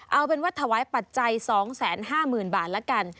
เอาเป็นวัฒนภายปัจจัย๒๕๐๐๐๐บาทแล้วกัน